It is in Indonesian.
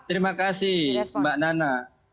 terima kasih mbak nana